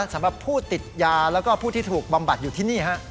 สำหรับผู้ติดยาแล้วก็ผู้ที่ถูกบำบัดอยู่ที่นี่ฮะ